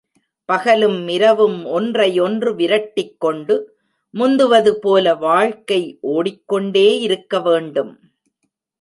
பகலும் இரவும் ஒன்றையொன்று விரட்டிக்கொண்டு முந்துவது போல வாழ்க்கை ஒடிக் கொண்டே இருக்கவேண்டும்.